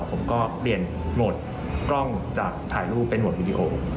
ผมก็เปลี่ยนโหมดกล้องจากถ่ายรูปเป็นโหมดวิดีโอ